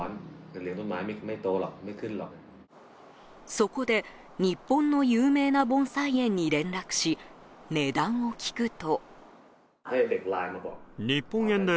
そこで、日本の有名な盆栽園に連絡し、値段を聞くと。